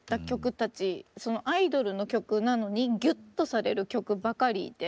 アイドルの曲なのにギュッとされる曲ばかりで。